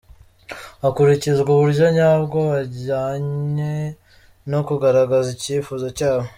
Hakurikizwa uburyo nyabwo bujyanye no kugaragaza icyifuzo cyabo.